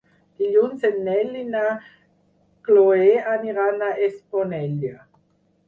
Dilluns en Nel i na Chloé aniran a Esponellà.